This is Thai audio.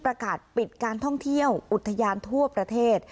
ประกาศปิดการท่องเที่ยวอุทยานทั่วประเทศ